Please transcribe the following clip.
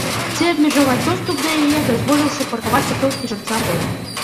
Ці абмежаваць доступ да яе, дазволіўшы паркавацца толькі жыльцам дома.